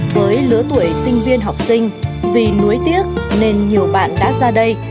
với lứa tuổi sinh viên học sinh vì núi tiếc nên nhiều bạn đã ra đây